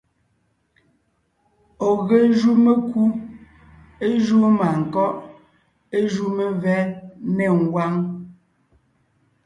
Ɔ̀ ge jú mekú, é júu mânkɔ́ʼ, é jú mevɛ́ nê ngwáŋ.